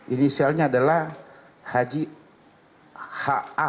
ini selnya adalah haji h